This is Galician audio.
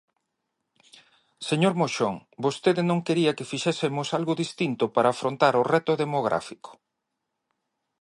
Señor Moxón, vostede non quería que fixésemos algo distinto para afrontar o reto demográfico.